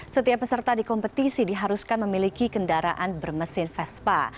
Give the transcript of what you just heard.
setiap peserta di kompetisi diharuskan memiliki kendaraan bermesin vespa